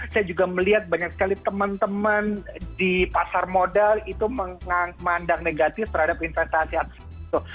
saya juga melihat banyak sekali teman teman di pasar modal itu memandang negatif terhadap investasi aset itu